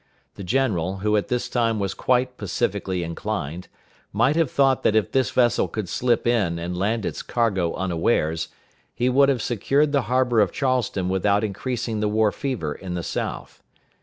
The general, who at this time was quite pacifically inclined, may have thought that if this vessel could slip in, and land its cargo unawares, he would have secured the harbor of Charleston without increasing the war fever in the South.